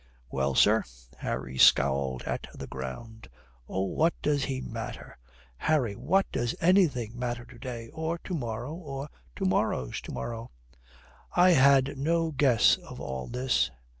"Well, sir?" Harry scowled at the ground. "Oh, what does he matter? Harry, what does anything matter to day or to morrow, or to morrow's to morrow?" "I had no guess of all this."